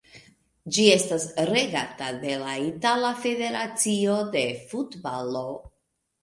Ĝi estas regata de la Itala Federacio de Futbalo.